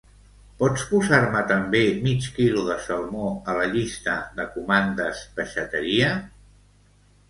Pots posar-me també mig quilo de salmó a la llista de comandes peixateria?